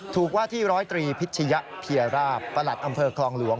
ถูกว่าที่๑๐๓พิจิยะเพียราปประหลัดอำเภอคลองหลวง